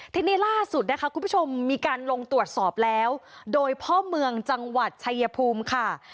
ทีนี้ล่าสุดนะคะคุณผู้ชมมีการลงตรวจสอบแล้วโดยพ่อเมืองจังหวัดชายภูมิค่ะ